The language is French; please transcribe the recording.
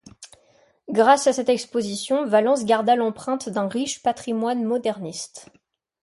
Grâce à cette exposition, Valence garda l'empreinte d'un riche patrimoine moderniste.